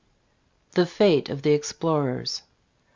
THE EATE OF THE EXPLORERS.